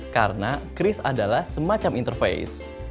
karena kris adalah semacam interface